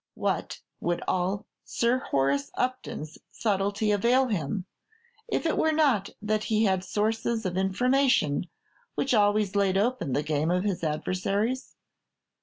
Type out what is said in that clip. What would all Sir Horace Upton's subtlety avail him, if it were not that he had sources of information which always laid open the game of his adversaries?